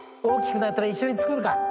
大きくなったら一緒に作るか。